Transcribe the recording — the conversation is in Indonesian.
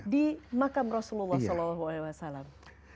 di makam rasulullah